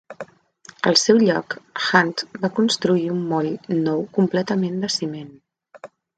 Al seu lloc, Hunt va construir un moll nou completament de ciment.